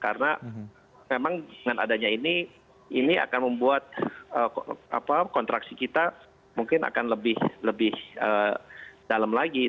karena memang dengan adanya ini ini akan membuat kontraksi kita mungkin akan lebih dalam lagi